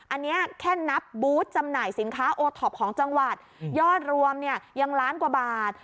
อันนี้แค่นับบูธจำหน่ายสินค้าโอท็อปของจังหวัดยอดรวมเนี่ยยังล้านกว่าบาท